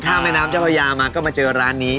แม่น้ำเจ้าพระยามาก็มาเจอร้านนี้